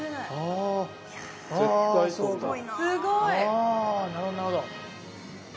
あなるほどなるほど。